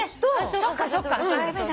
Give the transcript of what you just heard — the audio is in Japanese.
そっかそっか。